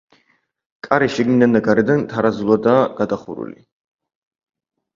კარი შიგნიდან და გარედან თარაზულადაა გადახურული.